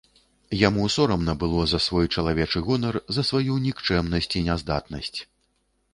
Яму сорамна было за свой чалавечы гонар, за сваю нікчэмнасць і няздатнасць.